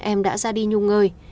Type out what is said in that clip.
em đã ra đi nhung ngơi